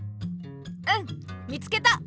うん見つけた！